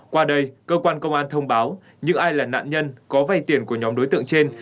qua đây cơ quan công an thông báo những ai là nạn nhân có vay tiền của nhóm đối tượng trên